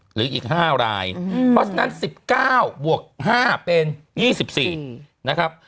หรืออีก๕รายเพราะฉะนั้น๑๙บวก๕เป็น๒๔นะครับ